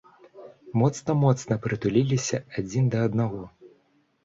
Моцна-моцна прытуліліся адзін да аднаго.